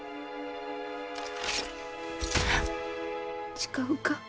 誓うか？